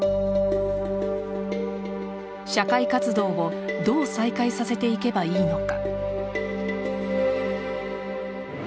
社会活動をどう再開させていけばいいのか。